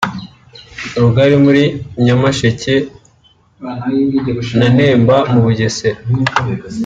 Rugari muri Nyamasheke na Nemba mu Bugesera